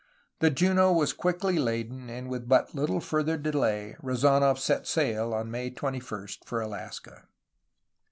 The Juno was quickly laden, and with but little further delay Rezdnof set sail, on May 21, for Alaska.